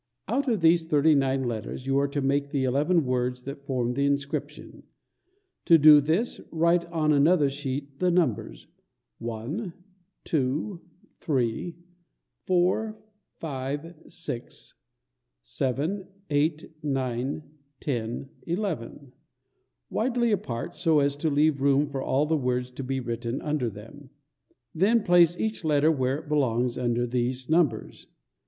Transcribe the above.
Out of these thirty nine letters you are to make the eleven words that form the inscription. To do this, write on another sheet the numbers 1 2 3 4 5 6 7 8 9 10 11 widely apart, so as to leave room for all the words to be written under them. Then place each letter where it belongs under these numbers.